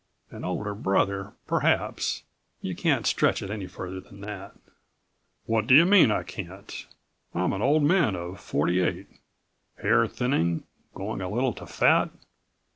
An older brother, perhaps. You can't stretch it any further than that." "What do you mean I can't? I'm an old man of forty eight. Hair thinning, going a little to fat.